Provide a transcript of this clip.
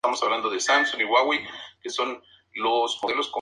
Edición en español: "Mi casco por Almohada".